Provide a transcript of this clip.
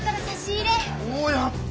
おやった！